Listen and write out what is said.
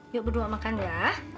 yuk berdua makan ya